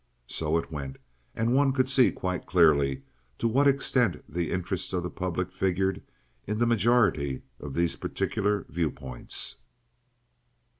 So it went, and one could see quite clearly to what extent the interests of the public figured in the majority of these particular viewpoints.